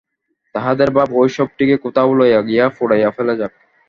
তাহাদের ভাব এই শবটিকে কোথাও লইয়া গিয়া পুড়াইয়া ফেলা যাক।